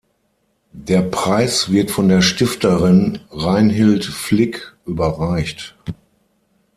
Der Preis wird von der Stifterin Reinhild Flick überreicht.